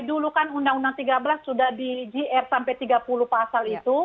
dulu kan undang undang tiga belas sudah di gr sampai tiga puluh pasal itu